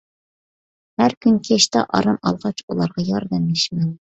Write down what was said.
ھەر كۈنى كەچتە ئارام ئالغاچ ئۇلارغا ياردەملىشىمەن.